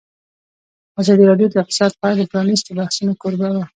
ازادي راډیو د اقتصاد په اړه د پرانیستو بحثونو کوربه وه.